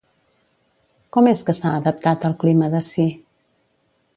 Com és que s’ha adaptat al clima d’ací?